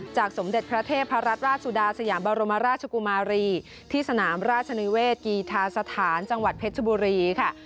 สมเด็จพระเทพรัตนราชสุดาสยามบรมราชกุมารีที่สนามราชนิเวศกีธาสถานจังหวัดเพชรบุรีค่ะ